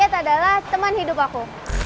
buat aku skate adalah teman hidup aku